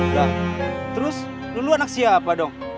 lah terus lulu anak siapa dong